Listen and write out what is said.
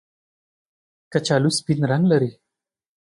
کچالو سپین رنګ لري